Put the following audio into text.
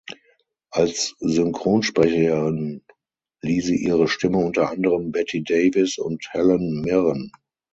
Als Synchronsprecherin lieh sie ihre Stimme unter anderem Bette Davis und Helen Mirren.